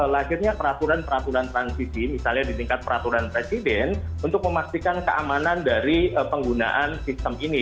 lahirnya peraturan peraturan transisi misalnya di tingkat peraturan presiden untuk memastikan keamanan dari penggunaan sistem ini